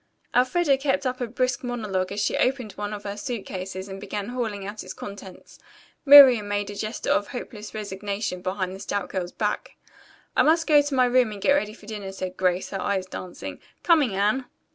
Elfreda kept up a brisk monologue as she opened one of her suit cases and began hauling out its contents. Miriam made a gesture of hopeless resignation behind the stout girl's back. "I must go to my room and get ready for dinner," said Grace, her eyes dancing. "Coming, Anne?"